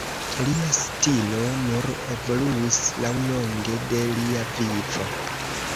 Lia stilo nur evoluis laŭlonge de lia vivo.